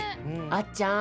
あっちゃん。